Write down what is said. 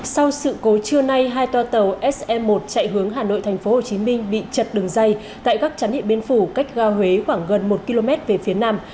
sau sự cố trưa nay hai to tàu sm một chạy hướng hà nội tp hcm bị chật đường dây tại các trán địa biến phủ cách ga huế khoảng gần một km về phía nam